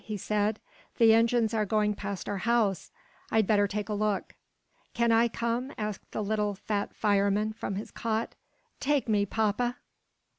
he said. "The engines are going past our house! I'd better take a look." "Can I come?" asked the little "Fat Fireman" from his cot. "Take me, papa!"